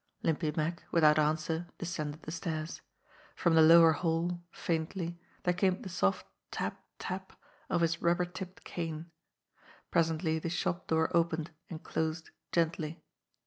Limpy Mack, without answer, descended the stairs. From the lower hall, faintly, there came the soft tap tap of his rubber tipped cane. Presently the shop door opened and closed gently.